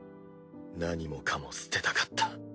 何もかも捨てたかった。